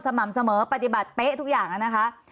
สม่ำเสมอปฏิบัติเป๊ะทุกอย่างนะคะ